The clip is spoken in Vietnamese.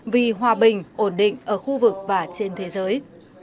vì hòa bình ổn định ở khu vực và trên thế giới